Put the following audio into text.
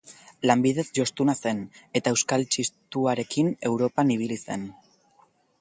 Lanbidez jostuna zen eta Euskal Txistuarekin Europan ibili zen.